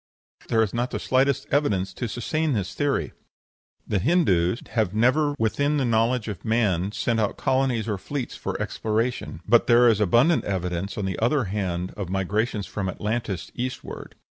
There is not the slightest evidence to sustain this theory. The Hindoos have never within the knowledge of man sent out colonies or fleets for exploration; but there is abundant evidence, on the other hand, of migrations from Atlantis eastward.